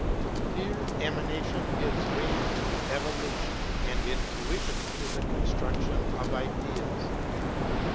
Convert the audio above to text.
Here emanation gives way to evolution, and intuition to the construction of ideas.